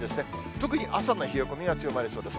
特に朝の冷え込みが強まりそうです。